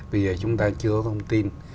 bây giờ chúng ta chưa có thông tin